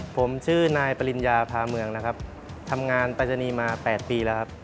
ผมชื่อนายปริญญาพาเมืองนะครับทำงานปรายศนีย์มา๘ปีแล้วครับ